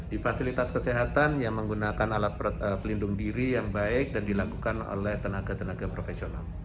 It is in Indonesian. di fasilitas kesehatan yang menggunakan alat pelindung diri yang baik dan dilakukan oleh tenaga tenaga profesional